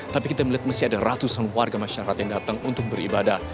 tapi kita melihat masih ada ratusan warga masyarakat yang datang untuk beribadah